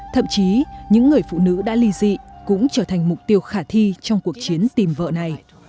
thậm chí những người phụ nữ đã ly dị cũng trở thành mục tiêu khả thi trong cuộc chiến tìm vợ này